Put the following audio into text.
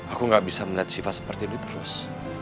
aku gak bisa liat siva seperti ini terus